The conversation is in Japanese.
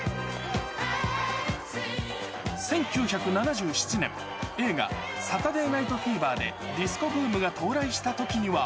１９７７年、映画、サタデー・ナイト・フィーバーでディスコブームが到来したときには。